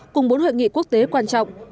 cùng bốn hội nghị quốc tế quan trọng